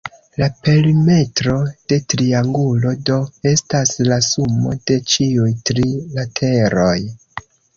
La perimetro de triangulo, do, estas la sumo de ĉiuj tri lateroj.